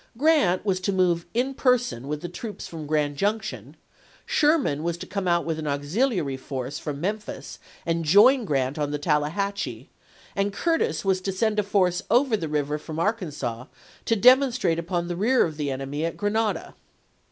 Grant was to move in person with the troops from Grand Junction, Sherman was to come out with an auxiliary force from Memphis and join Grant on the Tallahatchie, and Curtis was to send a force over the river from Ar kansas to demonstrate upon the rear of the enemy at Grenada.